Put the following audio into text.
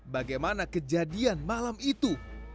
bagaimana kejadian malam itu